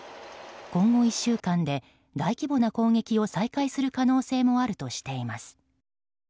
今後１週間で大規模な攻撃を再開する可能性もあるとしています。